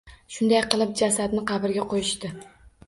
Shunday qilib jasadni qabrga qoʻyishdi.